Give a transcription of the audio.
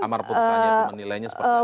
amar putusannya atau nilainya sepertinya